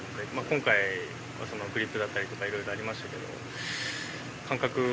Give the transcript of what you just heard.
今回はグリップだったりとかいろいろありましたけど。